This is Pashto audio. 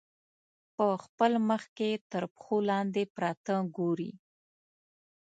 په خپل مخ کې تر پښو لاندې پراته ګوري.